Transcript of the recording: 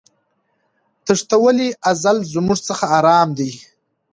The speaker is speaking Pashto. تښتولی ازل زموږ څخه آرام دی